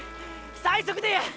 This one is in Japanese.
最速でや。